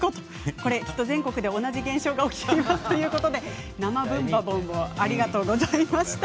これ、全国で同じ現象がおきていますということで生「ブンバ・ボーン！」ありがとうございました。